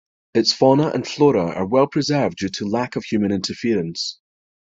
Its fauna and flora are well-preserved due to lack of human interference.